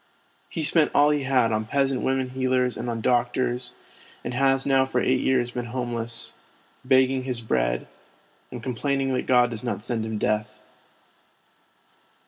He spent all he had on peasant women healers and on doctors, and has now for eight years been home less, begging his bread, and complaining that God does not send him death.